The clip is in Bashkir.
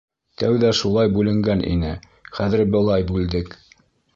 Тәүҙә шулай бүленгән ине, хәҙер былай бүлдек.